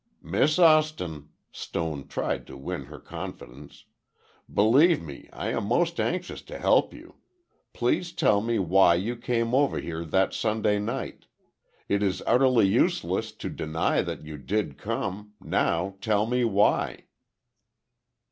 "Miss Austin," Stone tried to win her confidence, "believe me I am most anxious to help you. Please tell me why you came over here that Sunday night. It is utterly useless to deny that you did come, now tell me why."